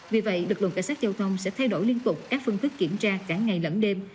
vì vậy lực lượng cảnh sát giao thông sẽ thay đổi liên tục các phương thức kiểm tra cả ngày lẫn đêm